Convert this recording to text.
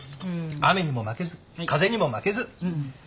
雨にも負けず風にも負けず。